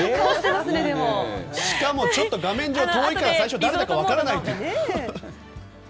しかも、ちょっと画面上遠いから最初、誰か分からないという。